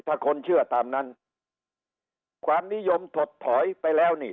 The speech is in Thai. ถ้าคนเชื่อตามนั้นความนิยมถดถอยไปแล้วนี่